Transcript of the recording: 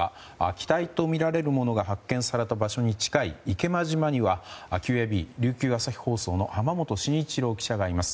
機体とみられるものが発見された場所に近い池間島にはＱＡＢ琉球朝日放送の濱元晋一郎記者がいます。